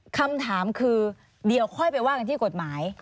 คำถามคือเดี๋ยวค่อยไปว่ากันที่กฎหมาย